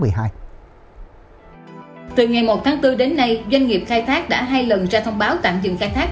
từ ngày một tháng bốn đến nay doanh nghiệp khai thác đã hai lần ra thông báo tạm dừng khai thác